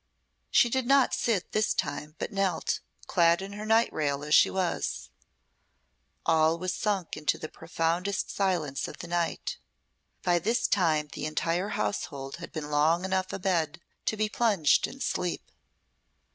She did not sit this time, but knelt, clad in her night rail as she was. All was sunk into the profoundest silence of the night. By this time the entire household had been long enough abed to be plunged in sleep.